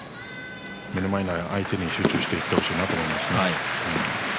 目の前の相手に集中していってほしいなと思いますね。